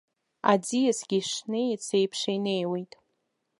Аӡиасгьы шнеиц еиԥш инеиуеит.